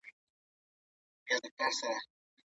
هغه کتابونه چي سانسور سوي دي، د مطالعې وده وژني.